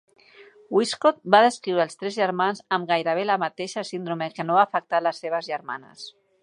Wiskott va descriure els tres germans amb gairebé la mateixa síndrome, que no va afectar les seves germanes.